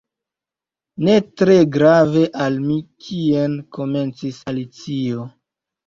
"Ne tre grave al mi kien—" komencis Alicio.